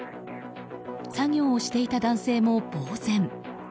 作業をしていた男性も、ぼうぜん。